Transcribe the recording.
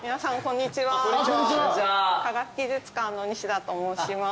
科学技術館の西田と申します。